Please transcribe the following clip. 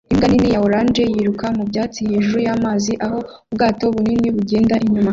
Imbwa nini ya orange yiruka mu byatsi hejuru y'amazi aho ubwato bunini bugenda inyuma